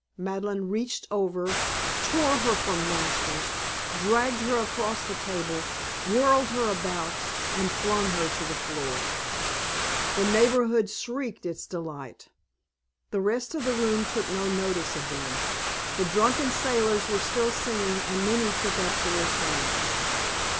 Madeleine reached over, tore her from Masters, dragged her across the table, whirled her about, and flung her to the floor. The neighborhood shrieked its delight. The rest of the room took no notice of them. The drunken sailors were still singing and many took up the refrain.